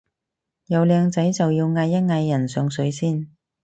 有靚仔就要嗌一嗌人上水先